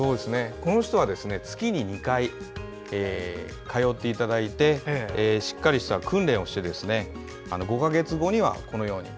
この人は月に２回通っていただいてしっかりとした訓練をして５か月後にはこのように。